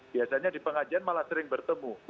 biasanya di pengajian malah sering bertemu